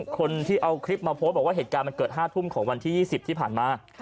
คนที่เอาคลิปมาโพสต์บอกว่าเหตุการณ์มันเกิด๕ทุ่มของวันที่๒๐ที่ผ่านมา